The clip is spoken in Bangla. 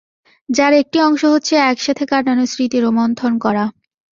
যার একটি অংশ হচ্ছে একসাথে কাটানো স্মৃতি রোমন্থন করা।